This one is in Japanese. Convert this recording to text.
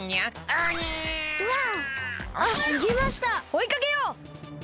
おいかけよう！